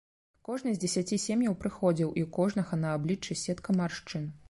Кожны з дзесяці сем'яў прыходзіў, і ў кожнага на абліччы сетка маршчын.